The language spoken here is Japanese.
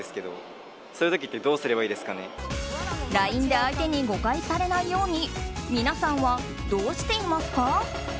ＬＩＮＥで相手に誤解されないように皆さんはどうしていますか？